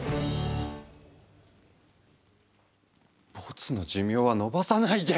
ボツの寿命は延ばさないで！